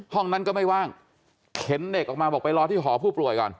ห้องนั้นก็ไม่ว่างเข็นเด็กออกมาบอกไปรอที่หอผู้ป่วยก่อน